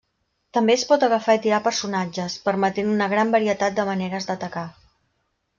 També es pot agafar i tirar personatges, permetent una gran varietat de maneres d'atacar.